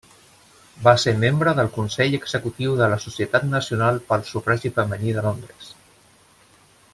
Va ser membre del consell executiu de la Societat Nacional pel Sufragi Femení de Londres.